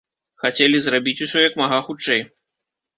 Хацелі зрабіць усё як мага хутчэй.